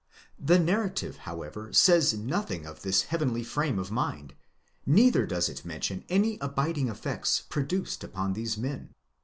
'The narrative however says nothing of this heavenly frame of mind, neither does it mention any abiding effects produced upon these men.